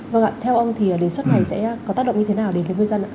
vâng ạ theo ông thì đề xuất này sẽ có tác động như thế nào đến với người dân ạ